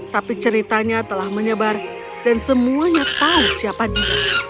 tapi ceritanya telah menyebar dan semuanya tahu siapa dia